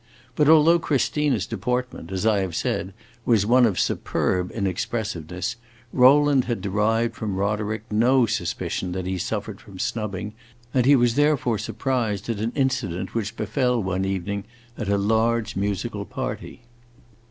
But although Christina's deportment, as I have said, was one of superb inexpressiveness, Rowland had derived from Roderick no suspicion that he suffered from snubbing, and he was therefore surprised at an incident which befell one evening at a large musical party.